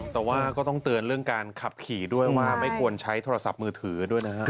แต่ว่าก็ต้องเตือนเรื่องการขับขี่ด้วยว่าไม่ควรใช้โทรศัพท์มือถือด้วยนะฮะ